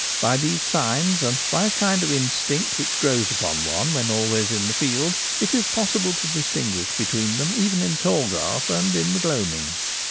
By these signs, and by a kind of instinct which grows upon one when always in the field, it is possible to distinguish between them even in tall grass and in the gloaming.